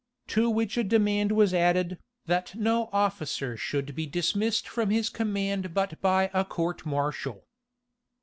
To which a demand was added, that no officer should be dismissed from his command but by a court martial.